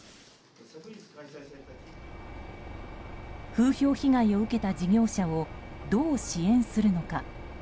風評被害を受けた事業者をどう支援するのか。